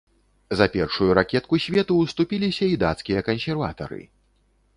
За першую ракетку свету ўступіліся і дацкія кансерватары.